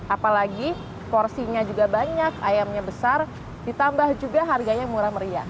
apalagi porsinya juga banyak ayamnya besar ditambah juga harganya murah meriah